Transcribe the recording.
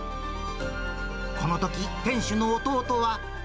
このとき、店主の弟は。